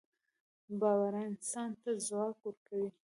باورانسان ته ځواک ورکوي